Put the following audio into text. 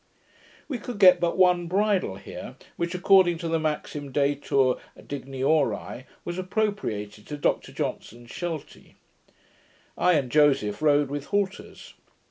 "' We could get but one bridle here, which, according to the maxim detur digniori, was appropriated to Dr Johnson's sheltie. I and Joseph rode with halters.